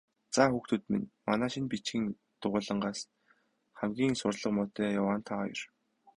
Заа, хүүхдүүд минь, манай шинэ бичгийн дугуйлангийнхнаас хамгийн сурлага муутай яваа нь та хоёр.